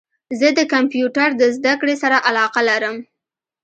زه د کمپیوټرد زده کړي سره علاقه لرم